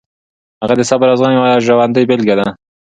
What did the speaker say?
هغه د صبر او زغم یوه ژوندۍ بېلګه ده.